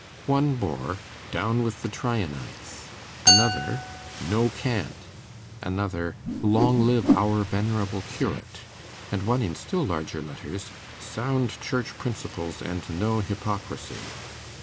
One bore, 'Down with the Tryanites!' another, 'No Cant!' another, 'Long live our venerable Curate!' and one in still larger letters, 'Sound Church Principles and no Hypocrisy!